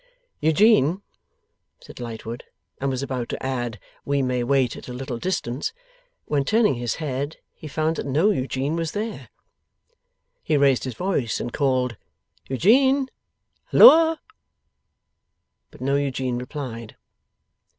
'Eugene,' said Lightwood and was about to add 'we may wait at a little distance,' when turning his head he found that no Eugene was there. He raised his voice and called 'Eugene! Holloa!' But no Eugene replied.